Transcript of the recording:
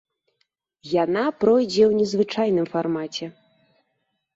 Яна пройдзе ў незвычайным фармаце.